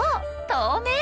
透明。